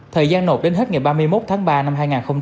thời gian nộp đến hết ngày ba mươi một tháng ba năm hai nghìn hai mươi